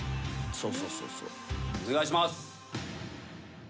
そうそうそうそうお願いします！